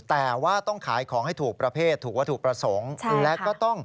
แต่ว่าต้องขายของให้ถูกประเภทถูกวัตถูกประสงค์ค่ะ